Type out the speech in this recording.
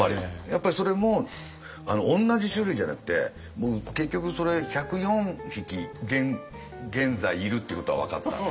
やっぱりそれも同じ種類じゃなくて結局それ１０４匹現在いるっていうことが分かった。